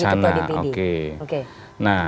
bagi ketua dpd